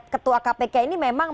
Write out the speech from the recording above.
ketua kpk ini memang